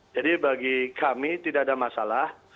jadi bagi kami tidak ada masalah